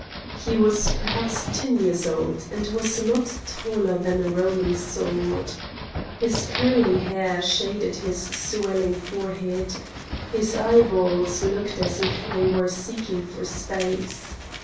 He was perhaps ten years old, and was not taller than a Roman sword. His curly hair shaded his swelling forehead. His eyeballs looked as if they were seeking for space.